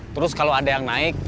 terus kalau ada yang naik